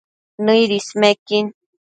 Nëid ismequin